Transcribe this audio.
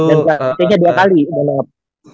dan pelatihnya dua kali mohon maaf